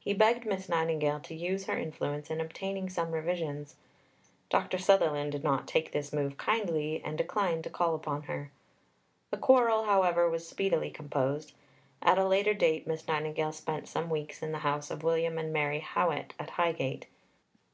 He begged Miss Nightingale to use her influence in obtaining some revisions. Dr. Sutherland did not take this move kindly, and declined to call upon her. The quarrel, however, was speedily composed. At a later date, Miss Nightingale spent some weeks in the house of William and Mary Howitt at Highgate.